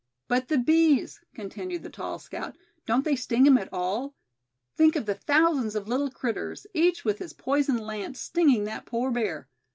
"But the bees," continued the tall scout; "don't they sting him at all? Think of the thousands of little critters, each with his poison lance, stinging that poor bear."